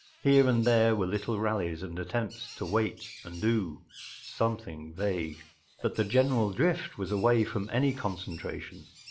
Here and there were little rallies and attempts to wait and do—something vague; but the general drift was away from any con¬ centration.